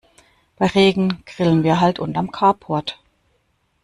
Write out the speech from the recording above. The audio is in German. Bei Regen grillen wir halt unterm Carport.